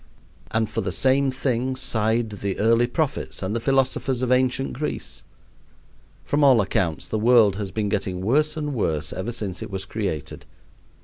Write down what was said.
And for the same thing sighed the early prophets and the philosophers of ancient Greece. From all accounts, the world has been getting worse and worse ever since it was created.